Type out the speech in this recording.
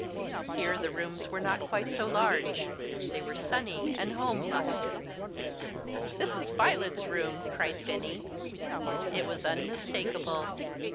Here the rooms were not quite so large. They were sunny and homelike. "This is Violet's room!" cried Benny. It was unmistakable.